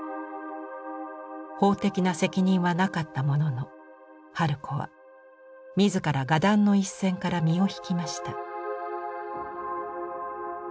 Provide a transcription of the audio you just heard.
法的な責任はなかったものの春子は自ら画壇の一線から身を引きました。